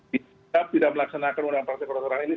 kita tidak melaksanakan undang undang praktek kedokteran ini